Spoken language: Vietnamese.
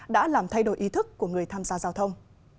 đã làm thay đổi ý thức của người tham gia giao thông